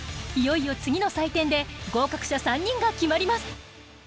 いよいよ次の採点で合格者３人が決まります。